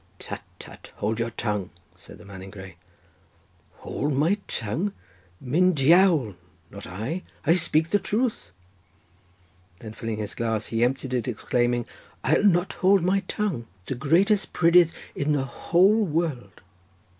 "Tut, tut, hold your tongue," said the man in grey. "Hold my tongue, myn Diawl, not I—I speak the truth," then filling his glass he emptied it exclaiming, "I'll not hold my tongue. The greatest prydydd in the whole world."